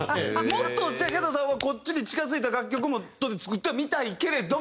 もっとじゃあヒャダさんはこっちに近づいた楽曲も作ってはみたいけれども？